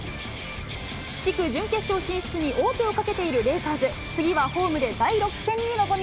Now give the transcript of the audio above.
地区準決勝進出に王手をかけているレイカーズ。